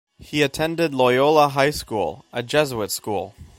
He attended Loyola High School, a Jesuit school.